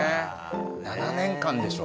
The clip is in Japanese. ７年間でしょ？